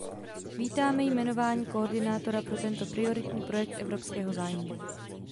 Vítáme jmenování koordinátora pro tento prioritní projekt evropského zájmu.